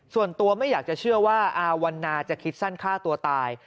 ส่วนตัวไม่อยากจะเชื่อว่าอาวันนาจะคิดสั้นฆ่าตัวตาย